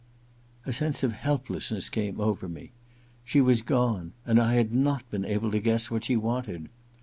A sense of helplessness came over me. She was gone, and I had not been able to guess what she wanted.